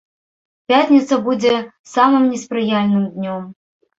Пятніца будзе самым неспрыяльным днём.